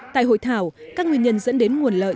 tại hội thảo các nguyên nhân dẫn đến nguồn lợi